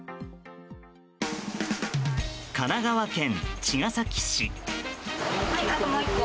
神奈川県茅ヶ崎市。